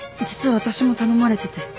実は私も頼まれてて。